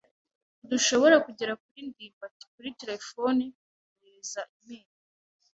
Ntidushobora kugera kuri ndimbati kuri terefone, kumwoherereza imeri.